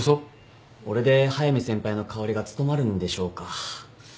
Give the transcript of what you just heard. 俺で速見先輩の代わりが務まるんでしょうか。